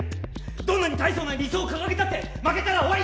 どんなに大層な理想を掲げたって負けたら終わり！